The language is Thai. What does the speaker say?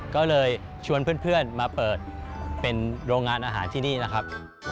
ก็เลยชวนเพื่อนมาเปิดเป็นโรงงานอาหารที่นี่นะครับ